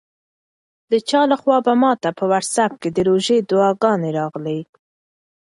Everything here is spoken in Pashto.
د چا لخوا ماته په واټساپ کې د روژې دعاګانې راغلې.